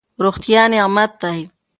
روغتیا نعمت دی.